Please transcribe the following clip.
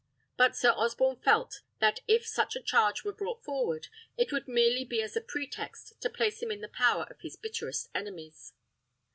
But Sir Osborne felt that if such a charge were brought forward, it would merely be as a pretext to place him in the power of his bitterest enemies.